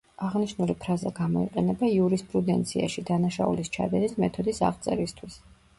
აღნიშნული ფრაზა გამოიყენება იურისპრუდენციაში, დანაშაულის ჩადენის მეთოდის აღწერისთვის.